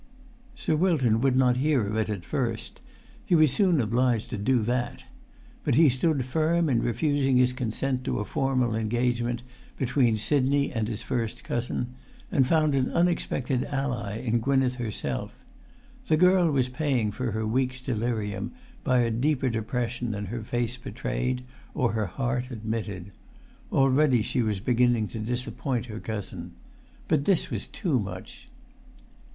Sir Wilton would not hear of it at first; he was soon obliged to do that. But he stood firm in refusing his consent to a formal engagement between Sidney and his first cousin, and found an unexpected ally in Gwynneth herself. The girl was paying for her week's delirium by a deeper depression than her face betrayed or her heart admitted. Already she was beginning to disappoint her cousin. But this was too much.